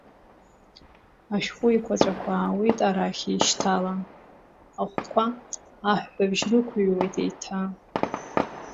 Ашәҟәы еиқәаҵәақәа аауеит арахь еишьҭалан, ахәқәа аҳәҳәабжь рықәыҩуеит еиҭа.